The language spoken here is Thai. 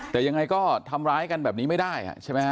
แต่ยังไงก็ทำร้ายกันแบบนี้ไม่ได้ใช่ไหมฮ